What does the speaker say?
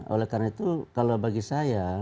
oleh karena itu kalau bagi saya